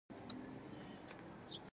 هر غږ یوه معنی لري.